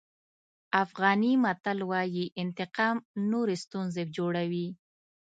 افغاني متل وایي انتقام نورې ستونزې جوړوي.